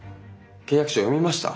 契約書読みました？